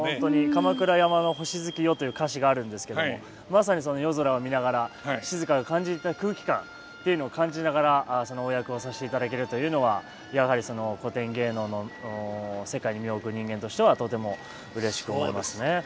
「鎌倉山の星月夜」という歌詞があるんですけどもまさにその夜空を見ながら静が感じた空気感っていうのを感じながらそのお役をさせていただけるというのはやはり古典芸能の世界に身を置く人間としてはとてもうれしく思いますね。